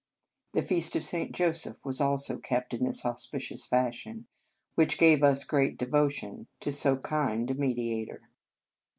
The feast of St. Joseph was also kept in this auspicious fashion, which gave us a great " devotion " to so kind a mediator.